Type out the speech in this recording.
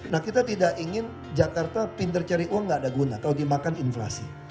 nah kita tidak ingin jakarta pintar cari uang nggak ada guna kalau dimakan inflasi